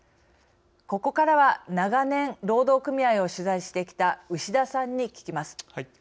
ここからは長年、労働組合を取材してきた牛田さんに聞きます。